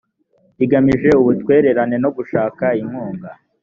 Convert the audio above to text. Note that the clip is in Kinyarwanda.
igamije ubutwererane no gushaka inkunga